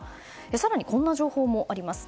更に、こんな情報もあります。